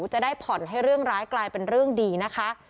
จะได้ผ่อนให้เรื่องร้ายกลายเป็นเรื่องดีนะคะ